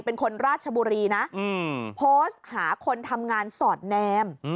เป็นคนราชบุรีนะโพสต์หาคนทำงานสอดแนม